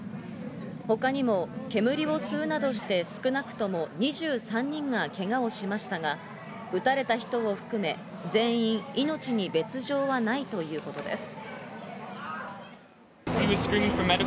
他にも煙を吸うなどして少なくとも２３人がけがをしましたが、撃たれた人を含め全員、命に別条はないということです。